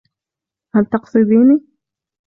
هل تقصديني؟